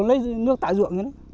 lấy nước tại ruộng